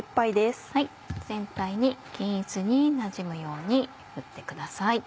全体に均一になじむように振ってください。